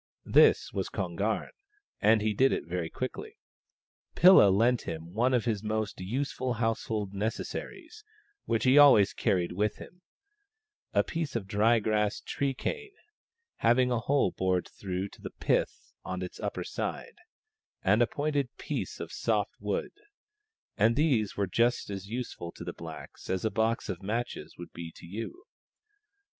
This was Kon garn, and he did it very quickly. Pilla lent him one of his most useful household necessaries, which he always carried with him — a piece of dry grass tree cane, having a hole bored through to the pith on its upper side, and a pointed piece of soft wood ; and these were just as useful to the blacks as a box of matches would be to you.